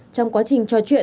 trong quá trình trò chuyện